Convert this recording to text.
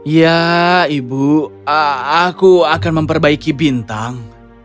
ya ibu aku akan memperbaiki bintang